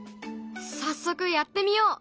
早速やってみよう！